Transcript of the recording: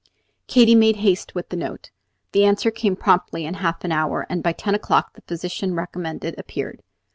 Katy made haste with the note. The answer came promptly in half an hour, and by ten o'clock the physician recommended appeared.